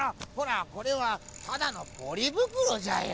これはただのポリブクロじゃよ。